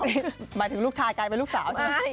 หมายถึงลูกชายกลายเป็นลูกสาวใช่ไหม